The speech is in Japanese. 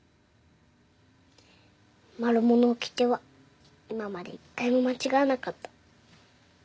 マルモのおきては今まで１回も間違わなかった。